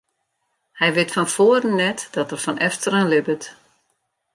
Hy wit fan foaren net dat er fan efteren libbet.